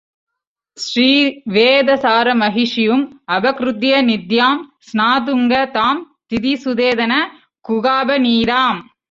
ஸ்ரீ வேதசார மகிஷியும் அபக்ருத்ய நித்யாம் ஸ்நாதுங்க தாம் திதி சுதேன குகாப நீதாம்.